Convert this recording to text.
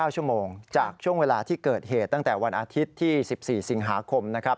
๙ชั่วโมงจากช่วงเวลาที่เกิดเหตุตั้งแต่วันอาทิตย์ที่๑๔สิงหาคมนะครับ